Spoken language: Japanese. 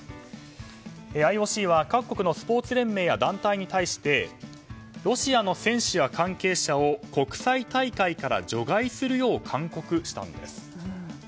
ＩＯＣは各国のスポーツ連盟や団体に対してロシアの選手や関係者を国際大会から除外するよう勧告したんです。